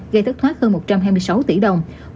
gây thất thoát hơn một trăm hai mươi sáu tỷ đồng